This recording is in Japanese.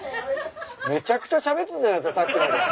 めちゃくちゃしゃべってたじゃないっすかさっきまで。